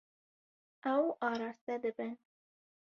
Ew araste dibin.